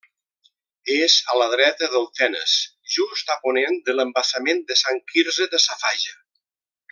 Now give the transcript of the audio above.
És a la dreta del Tenes, just a ponent de l'Embassament de Sant Quirze Safaja.